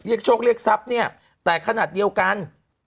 โชคเรียกทรัพย์เนี่ยแต่ขนาดเดียวกัน